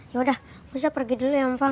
yaudah musa pergi dulu ya om fang